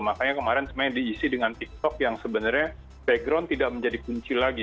makanya kemarin sebenarnya diisi dengan tiktok yang sebenarnya background tidak menjadi kunci lagi